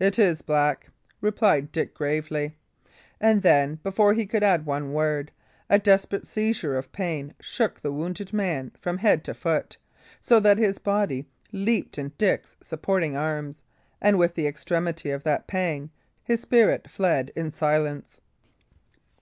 "It is black," replied Dick, gravely. And then, before he could add one word, a desperate seizure of pain shook the wounded man from head to foot, so that his body leaped in Dick's supporting arms, and with the extremity of that pang his spirit fled in silence.